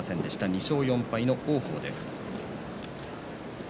２勝４敗の王鵬です。